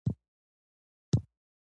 وروسته نوي کلتوري ارزښتونه زیږېږي.